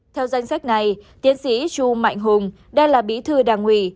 theo danh sách này tiến sĩ chu mạnh hùng đang là bí thư đảng ủy